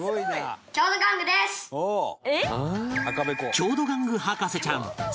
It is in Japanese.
郷土玩具博士ちゃん杉本湊君